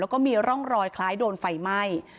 แล้วก็มีร่องรอยคล้ายโดนไฟไหม้